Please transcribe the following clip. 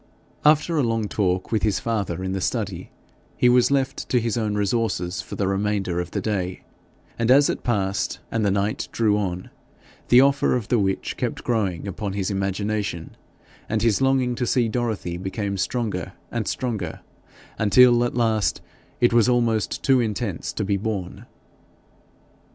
After a long talk with his father in the study, he was left to his own resources for the remainder of the day; and as it passed and the night drew on, the offer of the witch kept growing upon his imagination, and his longing to see Dorothy became stronger and stronger, until at last it was almost too intense to be borne.